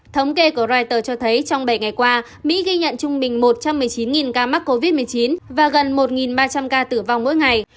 thống kê của reuters cho thấy trong bảy ngày qua mỹ ghi nhận trung bình một trăm một mươi chín ca mắc covid một mươi chín và gần một ba trăm linh ca tử vong mỗi ngày